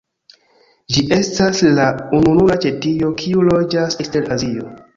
Ĝi estas la ununura ĉetio kiu loĝas ekster Azio.